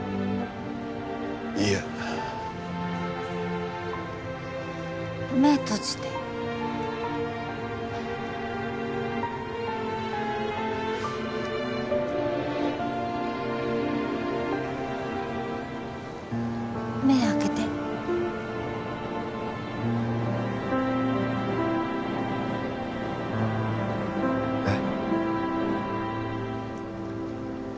いいえ目閉じて目開けてえっ？